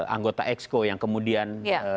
anggota expo yang kemudian